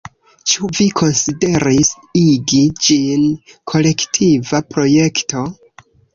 Ĉu vi konsideris igi ĝin kolektiva projekto?